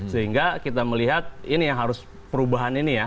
sehingga kita melihat ini yang harus perubahan ini ya